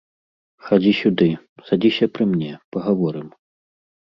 Хадзі сюды, садзіся пры мне, пагаворым.